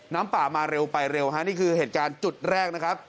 น้ำป่ามาเร็วไปเร็วฮะนี่คือเหตุการณ์จุดแรกนะครับ